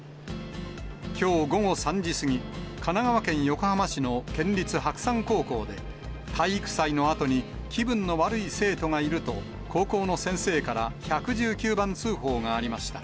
きょう午後３時過ぎ、神奈川県横浜市の県立白山高校で、体育祭のあとに気分の悪い生徒がいると、高校の先生から１１９番通報がありました。